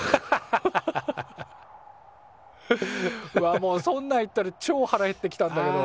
もうそんなん言ったらちょ腹減ってきたんだけど。